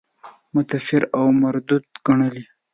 متنفر او مردود ګڼلی.